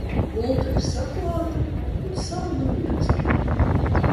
Gulta ir saklāta un saldu miedziņu!